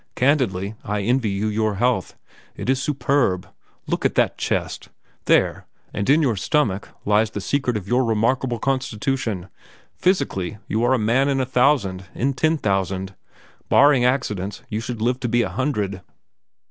Candidly, I envy you your health. It is superb. Look at that chest. There, and in your stomach, lies the secret of your remarkable constitution. Physically, you are a man in a thousand—in ten thousand. Barring accidents, you should live to be a hundred."